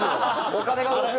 お金が動く！